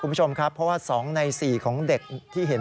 คุณผู้ชมครับเพราะว่า๒ใน๔ของเด็กที่เห็น